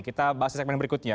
kita bahas di segmen berikutnya